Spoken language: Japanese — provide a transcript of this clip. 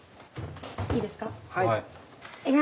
いいですか？